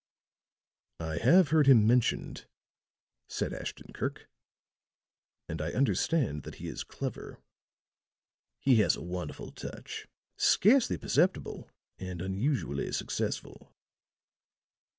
"I have heard him mentioned," said Ashton Kirk. "And I understand that he is clever." "He has a wonderful touch scarcely perceptible, and unusually successful."